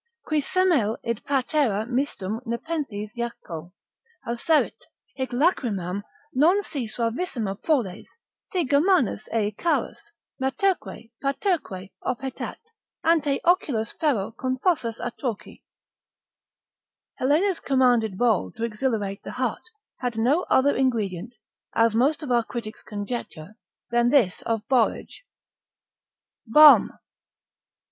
Qui semel id patera mistum Nepenthes Iaccho Hauserit, hic lachrymam, non si suavissima proles, Si germanus ei charus, materque paterque Oppetat, ante oculos ferro confossus atroci. Helena's commended bowl to exhilarate the heart, had no other ingredient, as most of our critics conjecture, than this of borage. Balm.